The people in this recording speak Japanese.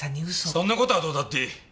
そんな事はどうだっていい。